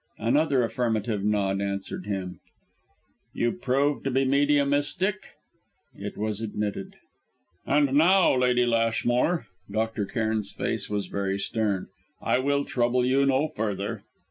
Another affirmative nod answered him. "You proved to be mediumistic?" It was admitted. "And now, Lady Lashmore" Dr. Cairn's face was very stern "I will trouble you no further."